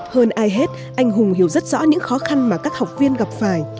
hơn ai hết anh hùng hiểu rất rõ những khó khăn mà các học viên gặp phải